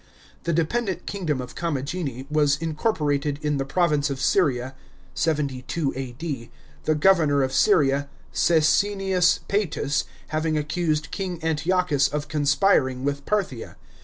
The dependent kingdom of Commagene was incorporated in the province of Syria (7 ' A.D.) the governor of Syria, Caesennius Paatus having accused King Antiochus of conspiring with Parthia.